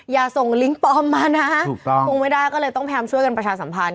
อย่าส่งลิงก์ปลอมมานะถูกต้องคงไม่ได้ก็เลยต้องพยายามช่วยกันประชาสัมพันธ